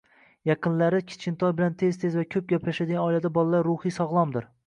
Yaqinlari kichkintoy bilan tez-tez va ko‘p gaplashadigan oilada bolalar ruhiy sog'lomdir.